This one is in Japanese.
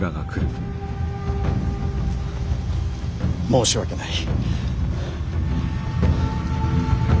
申し訳ない。